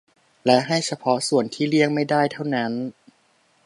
และให้เฉพาะส่วนที่เลี่ยงไม่ได้เท่านั้น